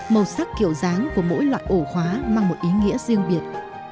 màu sắc kiểu dáng của mỗi loại ổ khóa mang một ý nghĩa riêng biệt